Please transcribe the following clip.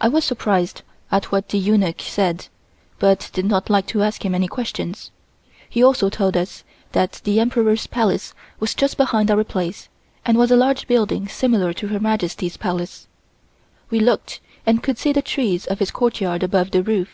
I was surprised at what the eunuch said, but did not like to ask him any questions. He also told us that the Emperor's Palace was just behind our place and was a large building similar to Her Majesty's Palace. We looked and could see the trees of his courtyard above the roof.